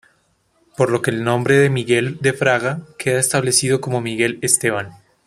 Por lo que el nombre de Miguel de Fraga queda establecido como Miguel Esteban.